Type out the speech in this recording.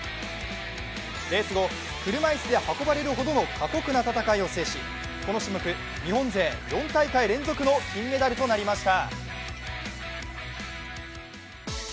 レース後、車椅子で運ばれるほどの過酷な戦いを制しこの種目、日本勢４大会連続の金メダルとなりました。